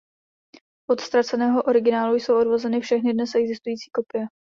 Od ztraceného originálu jsou odvozeny všechny dnes existující kopie.